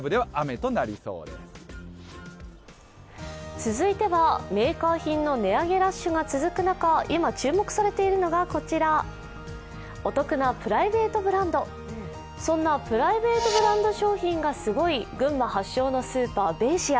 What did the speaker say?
続いてはメーカー品の値上げラッシュが続く中、今注目されているのがこちら、お得なプライベートブランド、そんなプライベートブランド商品がすごい群馬発祥のスーパー、ベイシア。